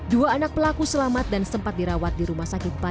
dua anak pelaku selamat dan sempat dirawat di rumah sakit